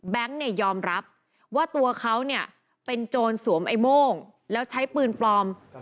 ยอมรับว่าตัวเขาเนี่ยเป็นโจรสวมไอ้โม่งแล้วใช้ปืนปลอม